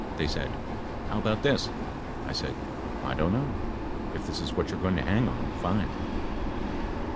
They said " How about thrift / said. "/ don't know. If this is what you are going to hang on, fine."